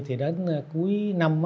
thì đến cuối năm